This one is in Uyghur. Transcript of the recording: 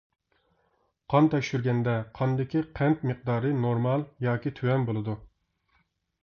قان تەكشۈرگەندە: قاندىكى قەنت مىقدارى نورمال ياكى تۆۋەن بولىدۇ.